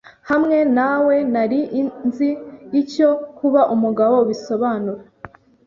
Hamwe nawe, nari nzi icyo kuba umugabo bisobanura